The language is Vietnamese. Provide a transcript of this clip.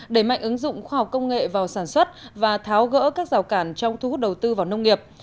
đẩy mạnh ứng dụng khoa học công nghệ vào sản xuất và tháo gỡ các rào cản trong thu hút đầu tư vào nông nghiệp